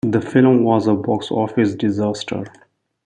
The film was a box office disaster.